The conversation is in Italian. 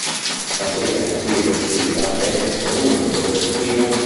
La seta con cui è tessuta è estremamente sottile.